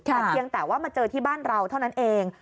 แต่เพียงแต่ว่ามาเจอที่บ้านเราเท่านั้นเอง